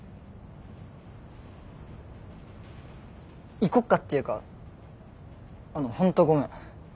行こっかっていうかあの本当ごめん。